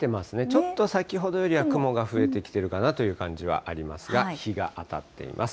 ちょっと先ほどよりは雲が増えてきているかなという感じはありますが、日が当たっています。